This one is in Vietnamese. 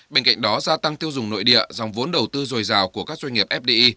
bên cạnh đó gia tăng tiêu dùng nội địa dòng vốn đầu tư dồi dào của các doanh nghiệp fdi